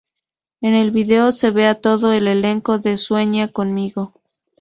En el video se ve a todo el elenco de Sueña conmigo.